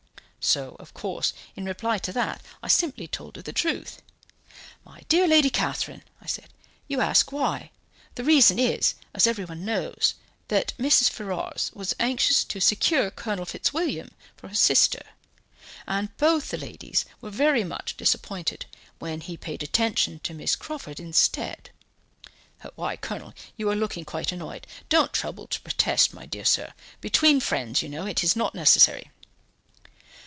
So, of course, in reply to that, I simply told her the truth: 'My dear Lady Catherine,' I said, 'you ask why; the reason is, as everyone knows, that Mrs. Ferrars was anxious to secure Colonel Fitzwilliam for her sister, and both the ladies were very much disappointed when he paid attention to Miss Crawford instead.' Why, Colonel, you are looking quite annoyed; don't trouble to protest, my dear sir; between friends, you know, it is not necessary."